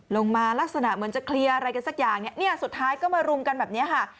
ลักษณะเหมือนจะเคลียร์อะไรกันสักอย่างเนี่ยสุดท้ายก็มารุมกันแบบนี้ค่ะ